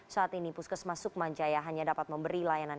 saat ini puskesmas sukmanjaya hanya dapat memberi layanan